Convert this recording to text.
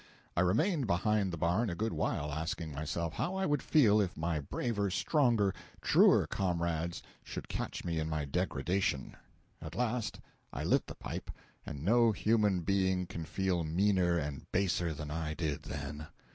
I remained behind the barn a good while, asking myself how I would feel if my braver, stronger, truer comrades should catch me in my degradation. At last I lit the pipe, and no human being can feel meaner and baser than I did then.